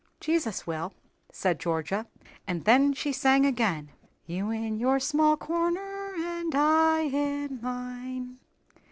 "Jesus will," said Georgia; and then she sang again, "You in your small corner, And I in mine."